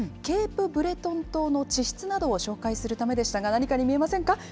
ケープ・ブレトン島の地質などを紹介するためでしたが、何かに見えませんか？